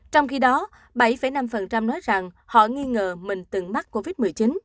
trong khi đó bảy năm nói rằng họ nghi ngờ mình từng mắc covid một mươi chín